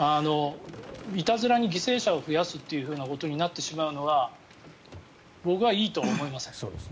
いたずらに犠牲者を増やすことになってしまうのは僕はいいと思いません。